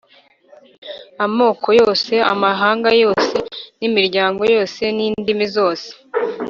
amoko yose, amahanga yose n‟imiryango yose n‟indimi zose.